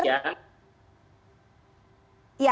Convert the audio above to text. saya itu juga ad polis ya